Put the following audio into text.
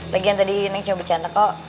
lagian tadi neng cuma bercanda kok